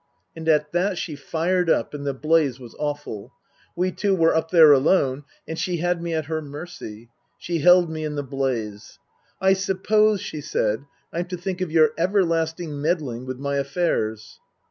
And at that she fired up and the blaze was awful. We two were up there alone and she had me at her mercy. She held me in the blaze. " I suppose," she said, " I'm to think of your everlasting meddling with my affairs